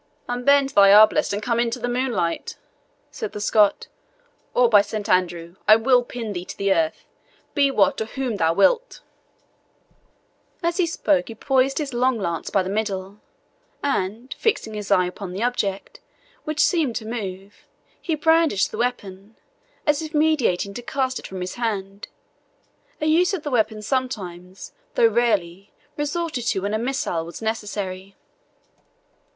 "Unbend thy arblast, and come into the moonlight," said the Scot, "or, by Saint Andrew, I will pin thee to the earth, be what or whom thou wilt!" As he spoke he poised his long lance by the middle, and, fixing his eye upon the object, which seemed to move, he brandished the weapon, as if meditating to cast it from his hand a use of the weapon sometimes, though rarely, resorted to when a missile was necessary.